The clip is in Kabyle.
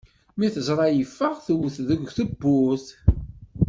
Mi t-teẓra yeffeɣ, tewwet deg tewwurt.